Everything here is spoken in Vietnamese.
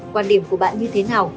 quan điểm của bạn như thế nào